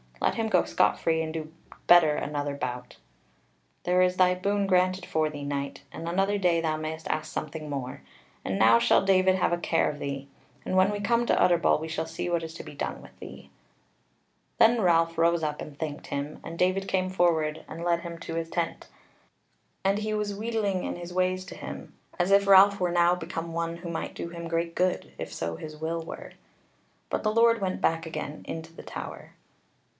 Let him go scot free and do better another bout. There is thy boon granted for thee, knight; and another day thou mayst ask something more. And now shall David have a care of thee. And when we come to Utterbol we shall see what is to be done with thee." Then Ralph rose up and thanked him, and David came forward, and led him to his tent. And he was wheedling in his ways to him, as if Ralph were now become one who might do him great good if so his will were. But the Lord went back again into the Tower.